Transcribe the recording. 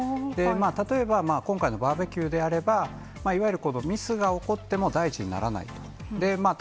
例えば、今回のバーベキューであれば、いわゆるミスが起こっても大事にならないように。